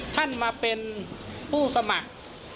ท่านมาเป็นผู้สมัคร